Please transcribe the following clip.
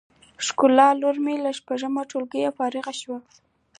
ښکلا لور می له شپږم ټولګی فارغه شوه